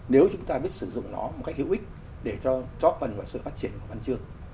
nếu chúng ta biết sử dụng nó một cách hữu ích để cho cho phần và sự phát triển của văn chương